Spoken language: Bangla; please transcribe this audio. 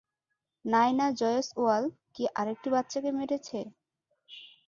নায়না জয়সওয়াল কি আরেকটি বাচ্চাকে মেরেছে?